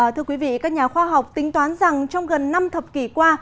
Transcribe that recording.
thưa quý vị các nhà khoa học tính toán rằng trong gần năm thập kỷ qua